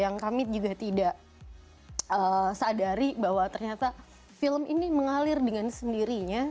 yang kami juga tidak sadari bahwa ternyata film ini mengalir dengan sendirinya